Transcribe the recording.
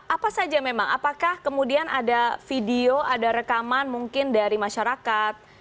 apa saja memang apakah kemudian ada video ada rekaman mungkin dari masyarakat